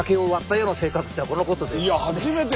いや初めて。